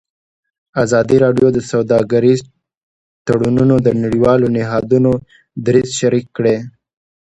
ازادي راډیو د سوداګریز تړونونه د نړیوالو نهادونو دریځ شریک کړی.